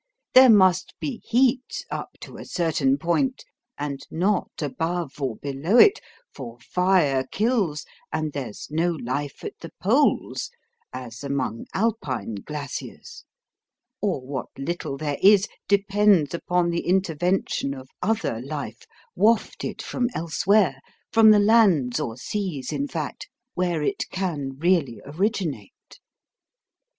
There must be heat up to a certain point, and not above or below it, for fire kills, and there's no life at the poles (as among Alpine glaciers), or what little there is depends upon the intervention of other life wafted from elsewhere from the lands or seas, in fact, where it can really originate.